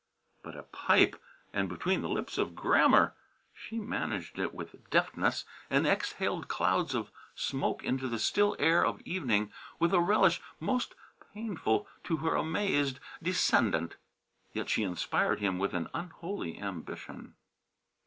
But a pipe, and between the lips of Grammer! She managed it with deftness and exhaled clouds of smoke into the still air of evening with a relish most painful to her amazed descendant. Yet she inspired him with an unholy ambition.